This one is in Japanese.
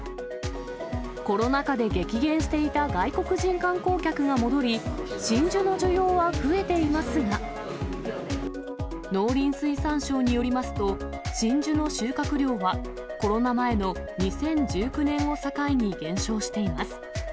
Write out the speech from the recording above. コロナ禍で激減していた外国人観光客が戻り、真珠の需要は増えていますが農林水産省によりますと、真珠の収穫量は、コロナ前の２０１９年を境に減少しています。